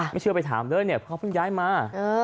ไม่เชื่อไปถามเลยเนี่ยเขาเพิ่งย้ายมา